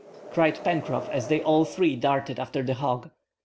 cried Pencroff, as they all three darted after the hog.